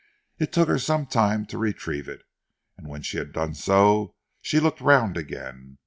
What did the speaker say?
It took her some time to retrieve it, and when she had done so, she looked round again.